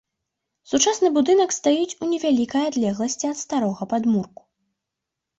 Сучасны будынак стаіць у невялікай адлегласці ад старога падмурку.